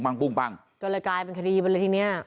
ก็เลยกลายเป็นคดีบรรทีเนี่ย